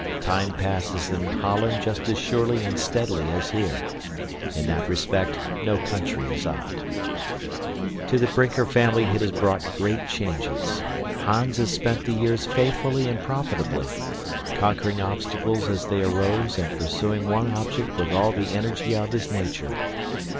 Time passes in Holland just as surely and steadily as here. In that respect no country is odd. To the Brinker family it has brought great changes. Hans has spent the years faithfully and profitably, conquering obstacles as they arose and pursuing one object with all the energy of his nature.